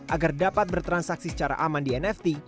agar dapat bertransaksi secara aman di nft